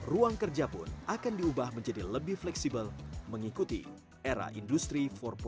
ruang kerja pun akan diubah menjadi lebih fleksibel mengikuti era industri empat